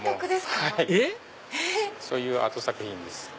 えっ⁉そういうアート作品です。